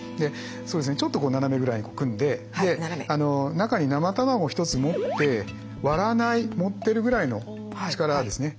ちょっと斜めぐらいに組んで中に生卵を一つ持って割らない持ってるぐらいの力ですね。